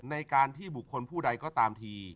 ในการที่บุคคลผู้ใดก็ตามที